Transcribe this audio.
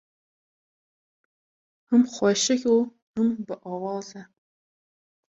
Him xweşik û him biawaz e.